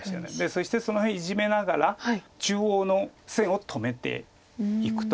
そしてその辺イジメながら中央の線を止めていくと。